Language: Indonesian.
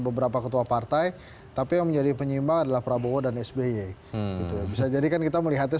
beberapa ketua partai tapi menjadi penyimpan adalah prabowo dan sby bisa jadikan kita melihatnya